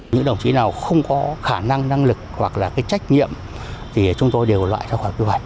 những đồng chí nào không có khả năng năng lực hoặc là cái trách nhiệm thì chúng tôi đều loại ra khỏi quy hoạch